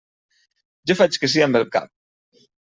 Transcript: Jo faig que sí amb el cap.